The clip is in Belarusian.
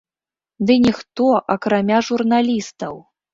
Ды ніхто, акрамя журналістаў!